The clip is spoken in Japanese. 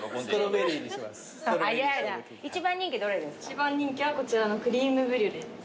一番人気はこちらのクリームブリュレです。